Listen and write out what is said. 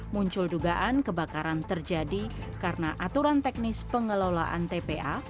muncul dugaan kebakaran terjadi karena aturan teknis pengelolaan tpa